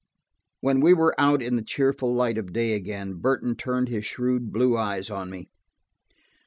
When we were out in the cheerful light of day again, Burton turned his shrewd, blue eyes on me.